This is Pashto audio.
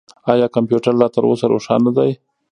آیا کمپیوټر لا تر اوسه روښانه دی؟